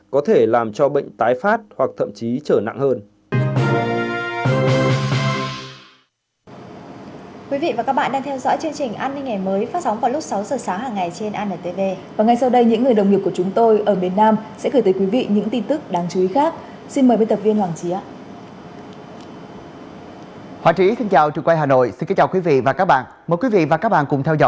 có thể làm cho bệnh tái phát